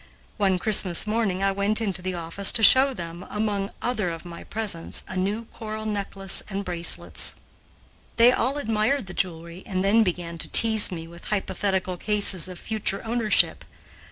One Christmas morning I went into the office to show them, among other of my presents, a new coral necklace and bracelets. They all admired the jewelry and then began to tease me with hypothetical cases of future ownership.